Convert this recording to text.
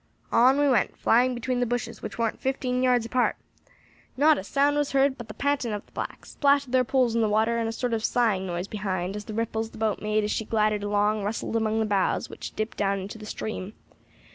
On we went, flying between the bushes, which warn't fifteen yards apart. Not a sound was heard but the panting of the blacks, the splash of their poles in the water, and a sort of sighing noise behind, as the ripples the boat made as she glided along rustled among the boughs which dipped down into the stream.